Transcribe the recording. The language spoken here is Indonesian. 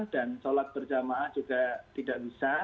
dan sholat berjamaah juga tidak bisa